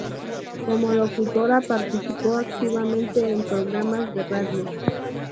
Como locutora, participó activamente en programas de radio.